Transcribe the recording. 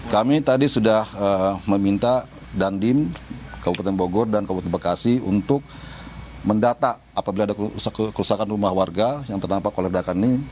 kami tadi sudah meminta dandim kabupaten bogor dan kabupaten bekasi untuk mendata apabila ada kerusakan rumah warga yang terdampak keledakan ini